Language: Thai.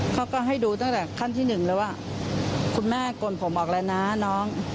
เขาก็ให้ดูตั้งแต่ขั้นที่หนึ่งแล้วว่าคุณแม่กลผมออกแล้วนะน้อง